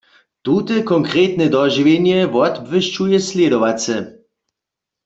Tute konkretne dožiwjenje wotbłyšćuje slědowace.